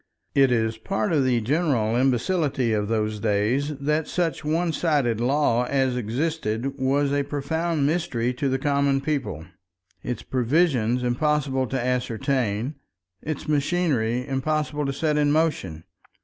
It is part of the general imbecility of those days that such one sided law as existed was a profound mystery to the common people, its provisions impossible to ascertain, its machinery impossible to set in motion.